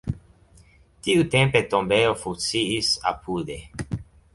Tiutempe tombejo funkciis apude.